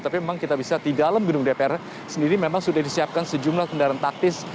tapi memang kita bisa di dalam gedung dpr sendiri memang sudah disiapkan sejumlah kendaraan taktis